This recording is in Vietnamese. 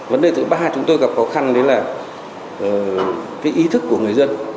vấn đề thứ ba chúng tôi gặp khó khăn đấy là cái ý thức của người dân